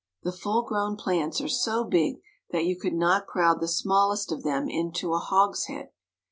The full grown plants are so big that you could not crowd the smallest of them into a hogshead.